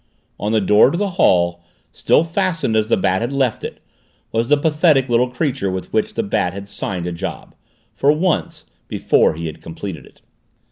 On the door to the hall, still fastened as the Bat had left it, was the pathetic little creature with which the Bat had signed a job for once, before he had completed it.